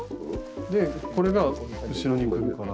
でこれが後ろに来るから。